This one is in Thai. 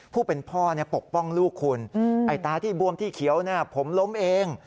ผู้เป็นพ่อปกป้องลูกคุณไอ้ตาที่บวมที่เขียวผมล้มเอง